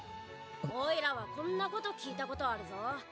おいらはこんなこと聞いたことあるぞ。